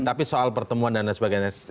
tapi soal pertemuan dan lain sebagainya